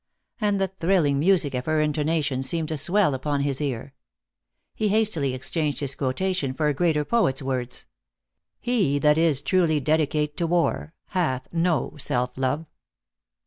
and the thrilling music of her intonation seemed to swell upon his ear. He hastily exchanged his quota tion for a greater poet s words :" He that is truly dedicate to war, Hath no self love."